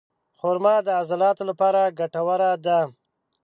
خرما د عضلاتو لپاره ګټوره ده.